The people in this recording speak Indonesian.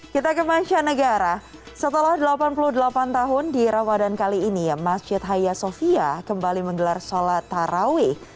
kita ke mancanegara setelah delapan puluh delapan tahun di ramadan kali ini masjid haya sofia kembali menggelar sholat tarawih